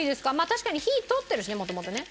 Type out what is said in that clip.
確かに火通ってるしね元々ね。